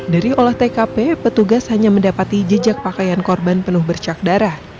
dari olah tkp petugas hanya mendapati jejak pakaian korban penuh bercak darah